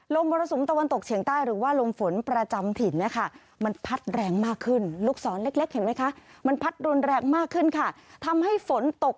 ลมโรศมตะวันตกเฉียงใต้หรือว่าลมฝนประจำถิ่น